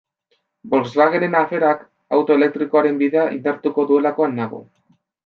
Volkswagenen aferak auto elektrikoaren bidea indartuko duelakoan nago.